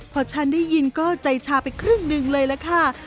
พอฉันได้ยินก็ใจชาไปครึ่งหนึ่งเลยล่ะค่ะ